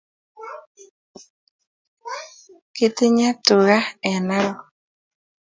Kiti nywe tuka en narok